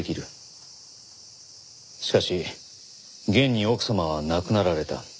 しかし現に奥様は亡くなられた。